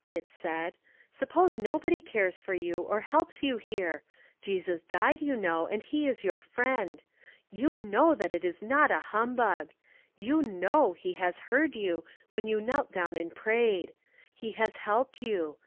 it said; "suppose nobody cares for you, or helps you here. Jesus died, you know, and He is your friend. You know that is not a humbug; you know He has heard you when you knelt down and prayed. He has helped you.